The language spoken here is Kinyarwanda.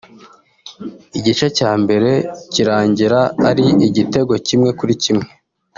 igice cya mbere kirangira ari igitego kimwe kuri kimwe